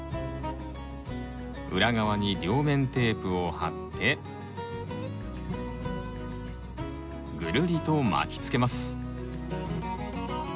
裏側に両面テープを貼ってぐるりと巻きつけます。